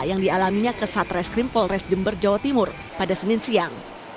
yang dialaminya ke satreskrim polres jember jawa timur pada senin siang